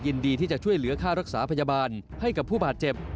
ยินดีที่จะช่วยเหลือค่ารักษาพยาบาลให้กับผู้บาดเจ็บ